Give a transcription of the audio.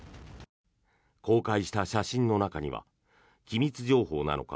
公開した写真の中には機密情報なのか